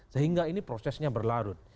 sehingga ini prosesnya berlarut